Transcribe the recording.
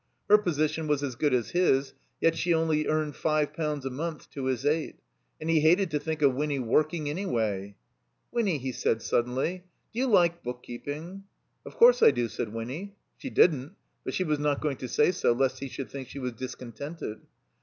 Her position was as good as his, yet she only earned five poimds a month to his eight. And he hated to think of Winny working, anjrway. "Winny," he said, suddenly, "do you like book keejring?" "Of course I do," said Winny. She didn't, but she was not going to say so lest he should think that she was discontented.